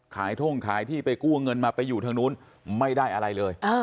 ท่งขายที่ไปกู้เงินมาไปอยู่ทางนู้นไม่ได้อะไรเลย